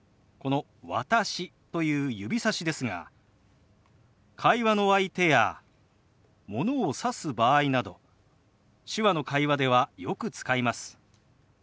この「私」という指さしですが会話の相手やものをさす場合など手話の会話ではよく使います。